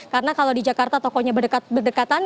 karena kalau di jakarta tokonya berdekatan